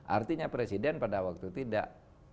artinya presiden pada waktu tidak